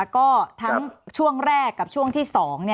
ก็ทั้งช่วงแรกกับช่วงที่๒